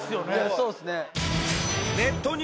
そうっすね